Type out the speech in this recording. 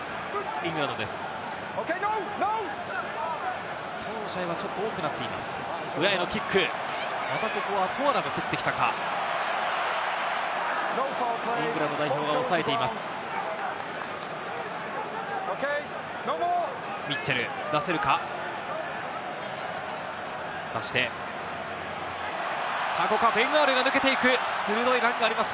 イングランド代表は押さえています。